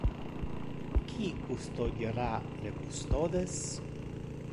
Qui custodiara le custodes?